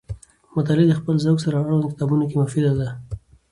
مطالعه د خپل ذوق سره اړوند کتابونو کې مفیده ده.